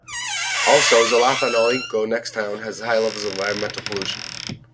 Also, Xalapa Naolinco next town, has high levels of environmental pollution.